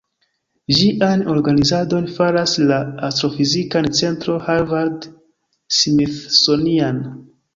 Ĝian organizadon faras la Astrofizika Centro Harvard-Smithsonian.